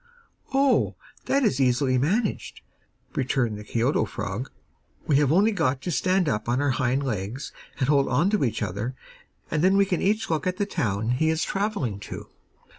'Oh, that is easily managed,' returned the Kioto frog. 'We have only got to stand up on our hind legs, and hold on to each other, and then we can each look at the town he is travelling to.